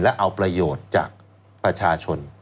และเอาประโยชน์จากประชาชน